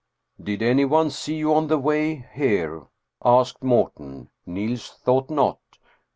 " Did anyone see you on the way here?" asked Morten. Niels thought not.